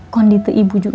kalau ibu pergi